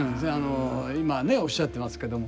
今ねおっしゃってますけども。